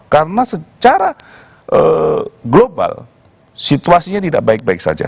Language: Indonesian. karena secara global situasinya tidak baik baik saja